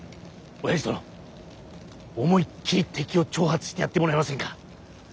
おやじ殿思いっきり敵を挑発してやってもらえませんか。